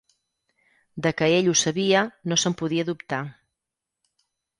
De que ell ho sabia, no se'n podia dubtar.